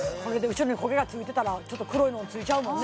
後ろに焦げがついてたらちょっと黒いのついちゃうもんね